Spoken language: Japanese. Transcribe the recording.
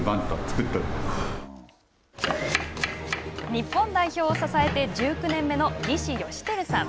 日本代表を支えて１９年目の西芳照さん。